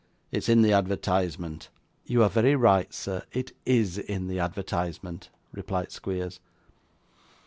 'It's in the advertisement.' 'You are very right, sir; it IS in the advertisement,' replied Squeers.